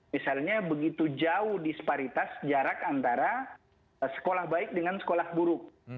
misalnya begitu jauh disparitas jarak antara sekolah baik dengan sekolah buruk